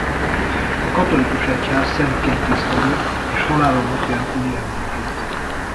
A katolikus egyház szentként tiszteli és halála napján üli emlékét.